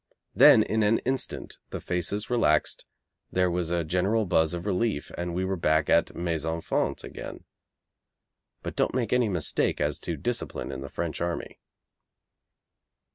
Then in an instant the faces relaxed, there was a general buzz of relief and we were back at 'Mes enfants' again. But don't make any mistake as to discipline in the French army.